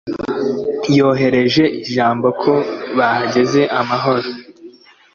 Yohereje ijambo ko bahageze amahoro.